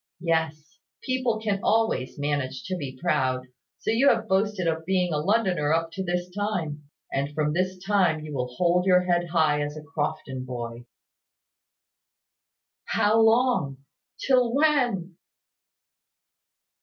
Yes; people can always manage to be proud: so you have boasted of being a Londoner up to this time; and from this time you will hold your head high as a Crofton boy." "How long? Till when?"